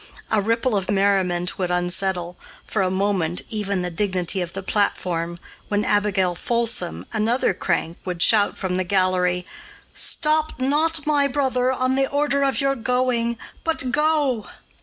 A ripple of merriment would unsettle, for a moment, even the dignity of the platform when Abigail Folsom, another crank, would shout from the gallery, "Stop not, my brother, on the order of your going, but go."